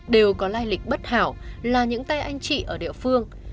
đều có lai lịch bất hảo là những tay anh chị ở địa phương